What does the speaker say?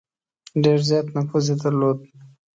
ډېر زیات نفوذ یې درلود.